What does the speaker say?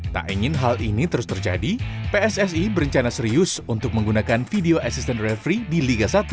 tak ingin hal ini terus terjadi pssi berencana serius untuk menggunakan video assistant referee di liga satu